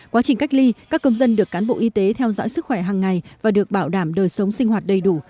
quá trình cách ly các công dân được cán bộ y tế theo dõi sức khỏe hằng ngày và được bảo đảm đời sống sinh hoạt đầy đủ